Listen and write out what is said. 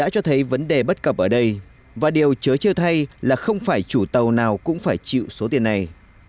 cho thấy vấn đề bất cập ở đây và điều chớ chưa thay là không phải chủ tàu nào cũng phải chịu số tiền này